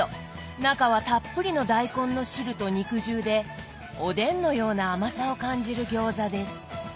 中はたっぷりの大根の汁と肉汁でおでんのような甘さを感じる餃子です。